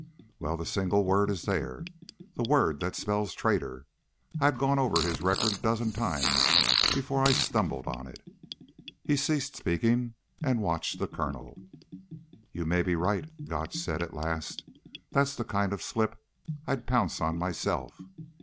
Well, the single word is there the word that spells traitor. I'd gone over his record a dozen times before I stumbled on it." He ceased speaking and watched the Colonel. "You may be right," Gotch said at last. "That's the kind of slip I'd pounce on myself."